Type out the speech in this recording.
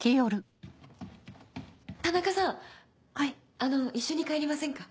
あの一緒に帰りませんか？